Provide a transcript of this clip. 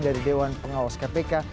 dari dewan pengawas kpk